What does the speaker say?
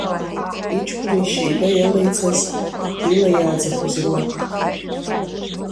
Иҷкәын ишьаида иалаиҵаз, иалаиааӡақәоз ируакын.